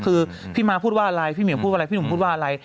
คือพี่ม้าพูดว่าอะไรพี่เหมียวพูดอะไรพี่หนุ่มพูดว่าอะไร